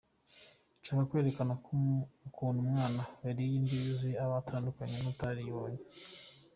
Nshaka kwerekana ukuntu umwana wariye indyo yuzuye aba atandukanye n’utarayibonye.